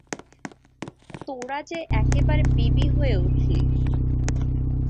তোরা যে একেবারে বিবি হয়ে উঠলি।